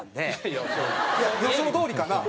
いや予想どおりかな。